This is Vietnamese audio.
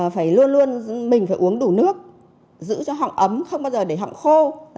phải luôn luôn mình phải uống đủ nước giữ cho họng ấm không bao giờ để họng khô